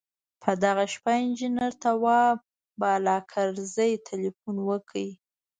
په دغه شپه انجنیر تواب بالاکرزی تیلفون وکړ.